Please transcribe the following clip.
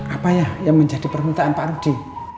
apa yang menjadi permintaan pak rudi